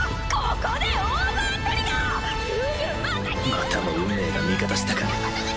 またも運命が味方したか！